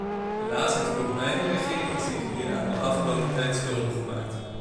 Helaas heeft ook mijn regering zich hieraan de afgelopen tijd schuldig gemaakt.